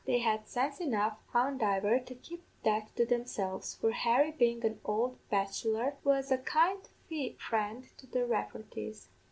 They had sense enough, howandiver, to keep that to themselves, for Harry bein' an' ould bachelor, was a kind friend to the Raffertys.